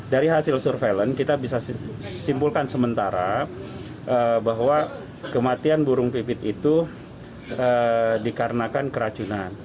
dari hasil surveillance kita bisa simpulkan sementara bahwa kematian burung pipit itu dikarenakan keracunan